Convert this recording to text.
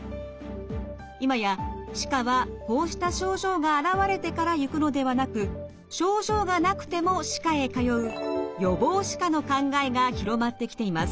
今や歯科はこうした症状が現れてから行くのではなく症状がなくても歯科へ通う予防歯科の考えが広まってきています。